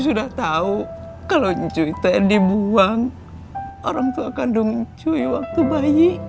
sudah tahu kalau cuy teh dibuang orang tua kandung cuy waktu bayi